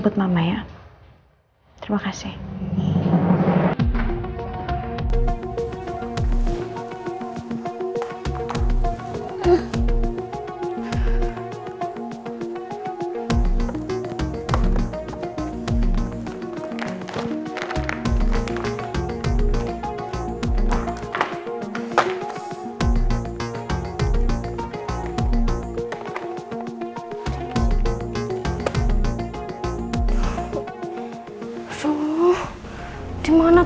aku mau pergi dulu